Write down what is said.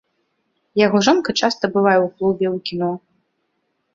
Яго жонка часта бывае ў клубе, у кіно.